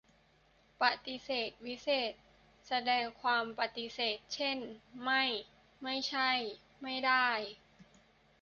ประติเษธวิเศษณ์ แสดงความปฎิเสธ เช่น ไม่ ไม่ใช่ ไม่ได้